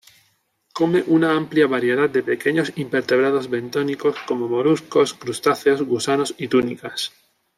Come una amplia variedad de pequeños invertebrados bentónicos, como moluscos, crustáceos, gusanos y túnicas.